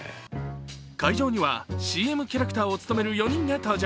会場には、ＣＭキャラクターを務める４人が登場。